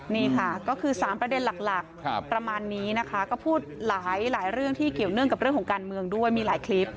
นี่ค่ะก็คือ๓ประเด็นหลักประมาณนี้นะคะก็พูดหลายเรื่องที่เกี่ยวเนื่องกับเรื่องของการเมืองด้วยมีหลายคลิป